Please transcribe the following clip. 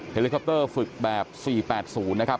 เลคอปเตอร์ฝึกแบบ๔๘๐นะครับ